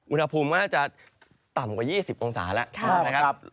อุณหภูมิมันอาจจะต่ำกว่า๒๐องศาแล้ว